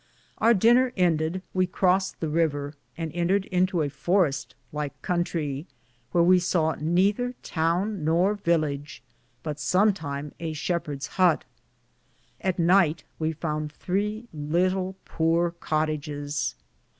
Our dinner ended, we croste the rever, and entred into a foreste like Cuntrie, wheare we saw nether towne nor villidge, but somtime a shipheardes Hoote (hut). At nyghte we founde 3 litle pore cottidges.